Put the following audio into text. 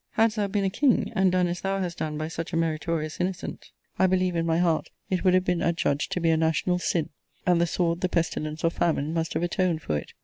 Hadst thou been a king, and done as thou hast done by such a meritorious innocent, I believe, in my heart, it would have been adjudged to be a national sin, and the sword, the pestilence, or famine, must have atoned for it!